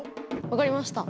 わかりました。